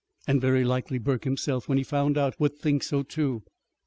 And very likely Burke himself, when he found out, would think so, too.